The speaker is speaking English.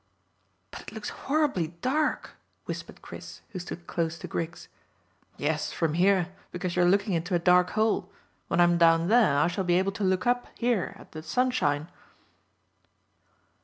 "But it looks horribly dark," whispered Chris, who stood close to Griggs. "Yes, from here, because you are looking into a dark hole. When I am down there I shall be able to look up here at the sunshine."